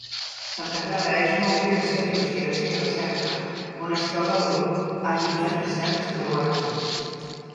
Santa Clara és una ubicació d'investigació i recerca, on es troba el grup Agilent Research Laboratories.